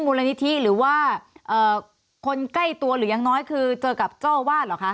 มูลนิธิหรือว่าคนใกล้ตัวหรือยังน้อยคือเจอกับเจ้าอาวาสเหรอคะ